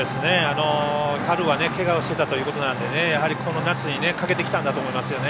春はけがをしていたということなのでこの夏に、かけてきたんだと思いますよね。